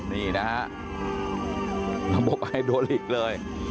นี่นะฮะนำพวกไฮโดลิกเลย